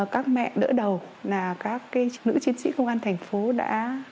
các mẹ đỡ đầu là các nữ chiến sĩ công an thành phố đã